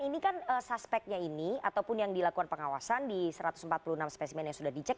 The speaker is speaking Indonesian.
ini kan suspeknya ini ataupun yang dilakukan pengawasan di satu ratus empat puluh enam spesimen yang sudah dicek